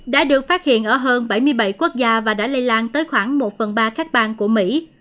đã được phát hiện ở hơn bảy mươi bảy quốc gia và đã lây lan tới khoảng một phần ba các bang của mỹ